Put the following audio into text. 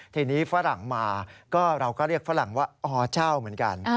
ทีนี้ฝรั่งมาก็เราก็เรียกฝรั่งว่าอเจ้าเหมือนกัน